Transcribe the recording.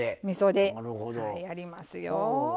みそではいやりますよ。